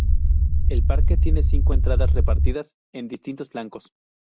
El parque tiene cinco entradas repartidas en distintos flancos.